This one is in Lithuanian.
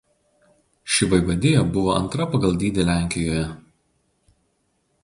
Ši vaivadija buvo antra pagal dydį Lenkijoje.